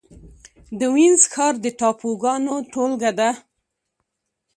د وينز ښار د ټاپوګانو ټولګه ده.